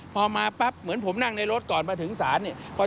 พอมาปั๊บเหมือนผมนั่งในรถก่อนมาถึงศาลเนี่ย